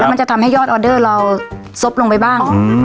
มันจะทำให้ยอดออเดอร์เราซบลงไปบ้าง